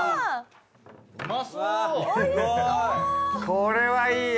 これはいいや。